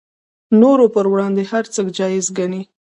نورو پر وړاندې هر څه جایز ګڼي